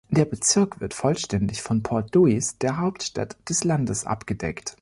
Der Bezirk wird vollständig von Port Louis, der Hauptstadt des Landes, abgedeckt.